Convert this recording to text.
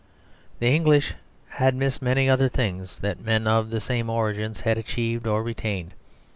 The English had missed many other things that men of the same origins had achieved or retained.